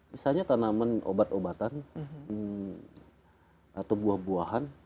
misalnya tanaman obat obatan atau buah buahan